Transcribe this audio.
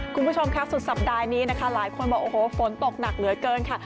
คุณผู้ชมค่ะสุดสัปดาห์นี้นะคะหลายคนบอกโอ้โหฝนตกหนักเหลือเกินค่ะ